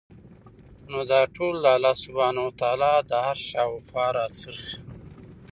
نو دا ټول د الله سبحانه وتعالی د عرش شاوخوا راڅرخي